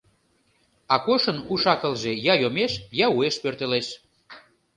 Акошын уш-акылже я йомеш, я уэш пӧртылеш.